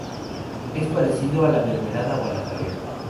Es parecido a la mermelada o la jalea.